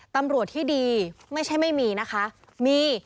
ตำรวจที่ดีไม่ใช่ไม่มีนะคะมี